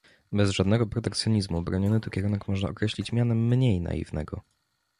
Bez żadnego protekcjonizmu, broniony tu kierunek można określić mianem mniej naiwnego